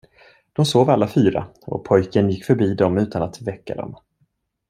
De sov alla fyra och pojken gick förbi dem utan att väcka dem.